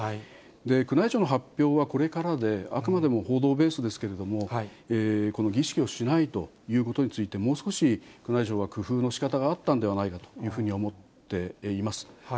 宮内庁の発表はこれからで、あくまでも報道ベースですけれども、この儀式をしないということについて、もう少し宮内庁は工夫のしかたがあったんではないかというふうに思っています。